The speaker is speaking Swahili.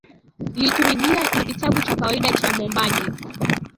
liturujia ni kitabu cha kawaida cha mwombaji